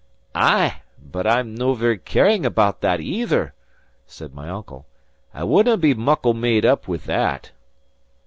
"Ay, but I'm no very caring about that either," said my uncle. "I wouldnae be muckle made up with that."